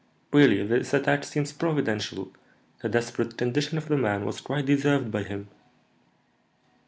"Really, this attack seems providential. The desperate condition of the man was quite deserved by him."